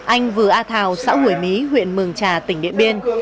anh vừa a thào xã hủy mí huyện mường trà tỉnh điện biên